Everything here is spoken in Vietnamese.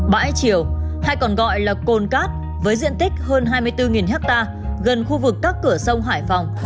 bãi triều hay còn gọi là cồn cát với diện tích hơn hai mươi bốn ha gần khu vực các cửa sông hải phòng